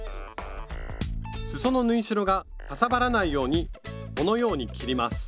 すその縫い代がかさばらないようにこのように切ります。